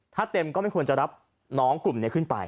ถ้าเต็มก็ไม่ควรจะรับน้องกลุ่มนี้ขึ้นไป